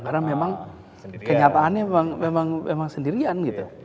karena memang kenyataannya memang sendirian